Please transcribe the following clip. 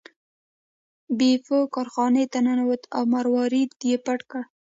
بیپو کارخانې ته ننوت او مروارید یې پټ کړ.